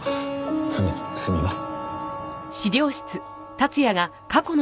すぐに済みます。